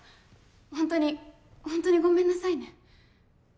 ホントにホントにごめんなさいね